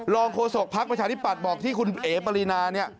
โฆษกภักดิ์ประชาธิปัตย์บอกที่คุณเอ๋ปรินาเนี่ย